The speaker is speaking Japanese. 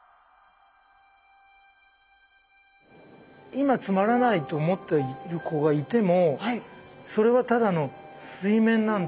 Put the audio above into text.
今つまらないと思っている子がいてもそれはただの水面なんです。